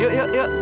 yuk yuk yuk